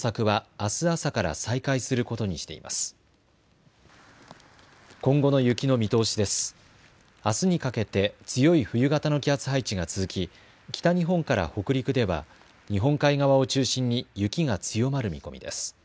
あすにかけて強い冬型の気圧配置が続き北日本から北陸では日本海側を中心に雪が強まる見込みです。